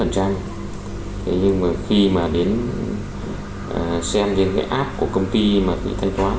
thế nhưng mà khi mà đến xem cái app của công ty mà thay toán